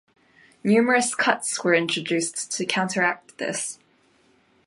Numerous cuts were introduced to counteract this.